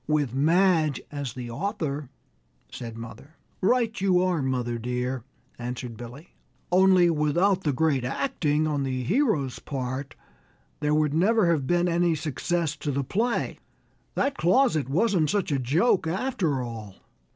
"With Madge as the author," said mother. "Right you are, mother dear," answered Billy, "only without the great acting on the hero's part there would never have been any success to the play. That closet wasn't such a joke after all!"